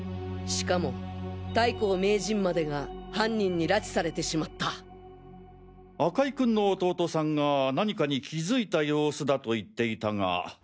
しかも太閤名人までが犯人に拉致されてしまった赤井君の弟さんが何かに気付いた様子だと言っていたが。